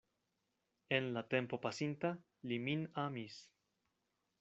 En la tempo pasinta li min amis.